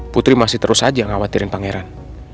putri masih terus saja khawatirin pangeran